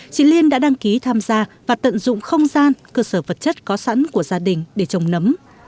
chị liên đã đăng ký tham gia và tận dụng không gian cơ sở vật chất có sẵn của gia đình để trồng nấm